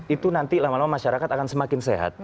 itu nanti lama lama masyarakat akan semakin sehat